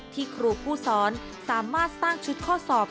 ครูผู้สอนสามารถสร้างชุดข้อสอบ